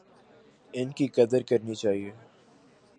ان کی قدر کرنی چاہیے۔